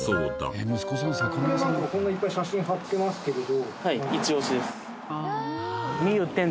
これこんないっぱい写真貼ってますけれど。